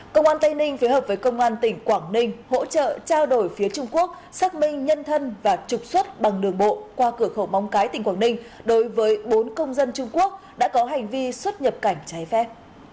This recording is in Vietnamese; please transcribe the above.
công an tây ninh phối hợp với công an tỉnh quảng ninh hỗ trợ trao đổi phía trung quốc xác minh nhân thân và trục xuất bằng đường bộ qua cửa khẩu móng cái tỉnh quảng ninh đối với bốn công dân trung quốc đã có hành vi xuất nhập cảnh trái phép